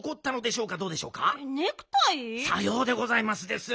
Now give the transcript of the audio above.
さようでございますです。